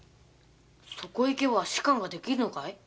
そこへ行けば仕官ができるのかい？